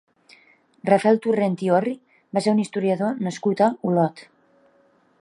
Rafael Torrent i Orri va ser un historiador nascut a Olot.